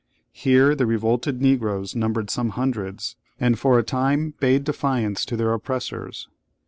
Here the revolted Negroes numbered some hundreds, and for a time bade defiance to their oppressors.